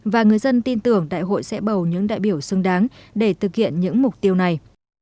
và người dân tin tưởng đại hội sẽ bầu những đại biểu xứng đáng để thực hiện những mục tiêu này